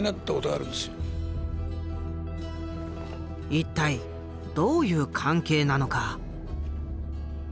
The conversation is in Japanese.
一体どういう関係なのか？